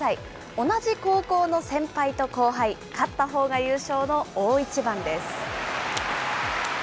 同じ高校の先輩と後輩、勝ったほうが優勝の大一番です。